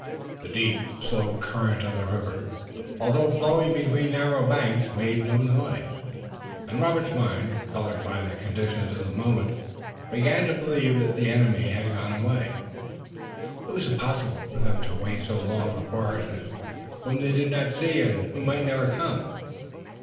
The deep, slow current of the river, although flowing between narrow banks, made no noise, and Robert's mind, colored by the conditions of the moment, began to believe that the enemy had gone away. It was impossible for them to wait so long for foresters whom they did not see and who might never come.